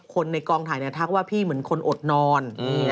คนในกองถ่ายทักว่าพี่เหมือนคนอดนอน